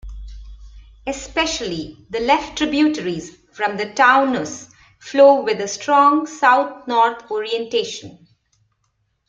Especially the left tributaries from the Taunus flow with a strong south-north orientation.